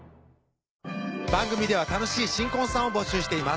番組では楽しい新婚さんを募集しています